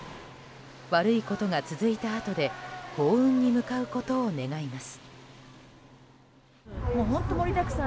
悪いことが続いたあとで幸運に向かうことを願います。